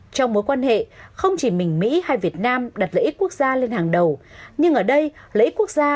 trong mối quan hệ không chỉ mình mỹ hay việt nam đặt lợi ích quốc gia lên hàng đầu nhưng ở đây lợi ích quốc gia